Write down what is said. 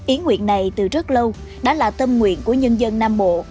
yến nguyện này từ rất lâu đã là tâm nguyện của nhân dân nam bộ